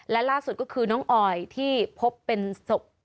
และล่าสุดก็คือน้องออยที่พบเป็นศพ